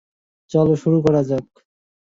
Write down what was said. চলো শুরু করা যাক।